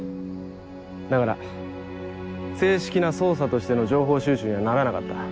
だから正式な捜査としての情報収集にはならなかった。